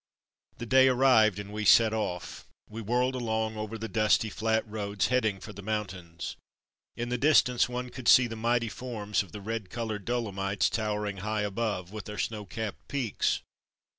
The day arrived, and we set off. We whirled along over the dusty, flat roads, heading for the mountains. In the distance one could see the mighty forms of the red 236 From Mud to Mufti coloured Dolomites towering high above, with their snow capped peaks.